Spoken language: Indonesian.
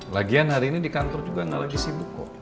lagian hari ini di kantor juga nggak lagi sibuk kok